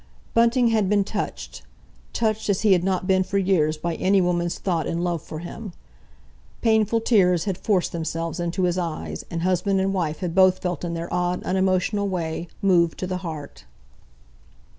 Bunting had been touched—touched as he had not been for years by any woman's thought and love for him. Painful tears had forced themselves into his eyes, and husband and wife had both felt in their odd, unemotional way, moved to the heart.